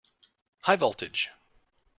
High voltage!